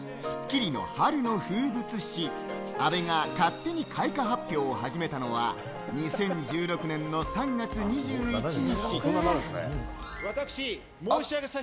『スッキリ』の春の風物詩、阿部が勝手に開花発表を始めたのは２０１６年の３月２１日。